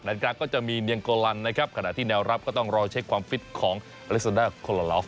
ดังนั้นก็จะมีเนียงโกลันขณะที่แนวรับก็ต้องรอเช็คความฟิตของอเลสาด้าโคลาลอฟ